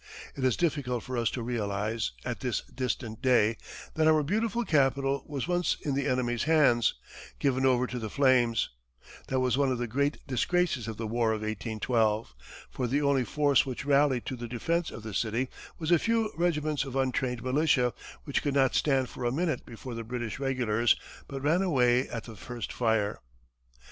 It is difficult for us to realize, at this distant day, that our beautiful capital was once in the enemy's hands, given over to the flames; that was one of the great disgraces of the War of 1812; for the only force which rallied to the defense of the city was a few regiments of untrained militia, which could not stand for a minute before the British regulars, but ran away at the first fire.